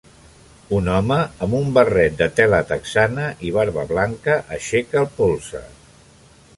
Un home amb un barret de tela texana i barba blanca aixeca el polze.